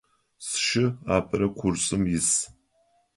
Сшы апэрэ курсым ис.